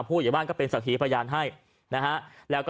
ผู้ใหญ่บ้านก็เจ็ดอันชู่อันชู่แล้ว